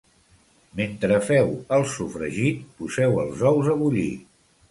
Mentre feu el sofregit, poseu els ous a bullir.